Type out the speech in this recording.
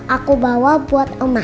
aku bawa buat omah